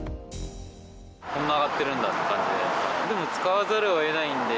こんなに上がってるんだって感じで、でも使わざるをえないんで。